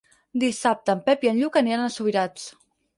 Dissabte en Pep i en Lluc aniran a Subirats.